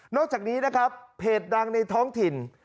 อกจากนี้นะครับเพจดังในท้องถิ่น